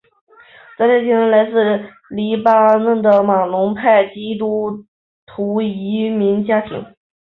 他的家庭是来自黎巴嫩的马龙派基督徒移民家庭。